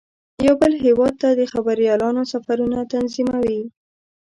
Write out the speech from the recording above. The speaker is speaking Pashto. یو بل هیواد ته د خبریالانو سفرونه تنظیموي.